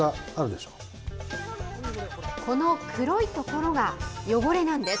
この黒い所が汚れなんです。